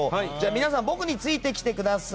皆さん僕についてきてください。